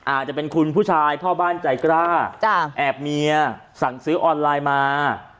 อาจจะเป็นคุณผู้ชายพ่อบ้านใจกล้าแอบเมียสั่งซื้อออนไลน์มา